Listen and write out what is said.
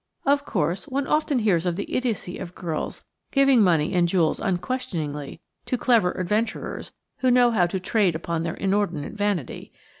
Of course, one often hears of the idiocy of girls giving money and jewels unquestioningly to clever adventurers who know how to trade upon their inordinate vanity.